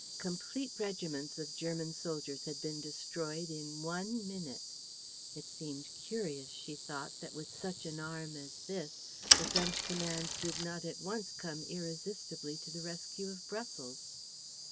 Complete regiments of German soldiers had been destroyed in one minute. It seemed curious, she thought, that with such an arm as this the French command did not at once come irresistibly to the rescue of Brussels....